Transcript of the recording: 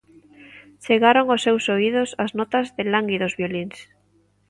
Chegaron ós seus oídos as notas de lánguidos violíns.